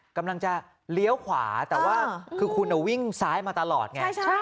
กำลังจะเลี้ยวขวาแต่ว่าคือคุณวิ่งซ้ายมาตลอดไง